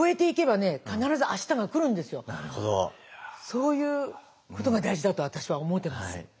そういうことが大事だと私は思ってます。